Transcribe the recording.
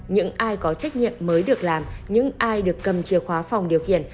những ai có trách nhiệm mới được làm những ai được cầm chìa khóa phòng điều khiển